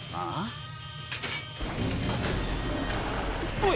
おい。